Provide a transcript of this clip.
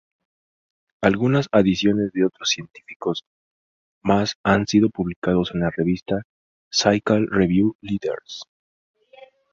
Algunas adiciones de otros científicos más han sido publicados en la revista Physical Review","Letters.